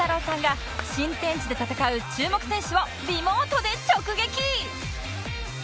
さんが新天地で戦う注目選手をリモートで直撃！